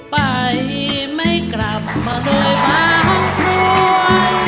ปล่อยไม่กลับมนุษย์บ้างกลัว